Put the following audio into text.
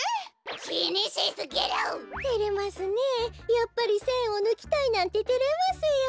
やっぱりせんをぬきたいなんててれますよ。